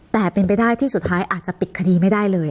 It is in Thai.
แต่เป็นไปได้ที่สุดท้ายอาจจะปิดคดีไม่ได้เลย